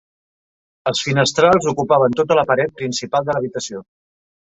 Els finestrals ocupaven tota la paret principal de l'habitació.